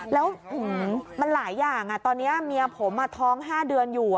แล้วหือมันหลายอย่างอ่ะตอนนี้เมียผมอ่ะท้อง๕เดือนอยู่อ่ะ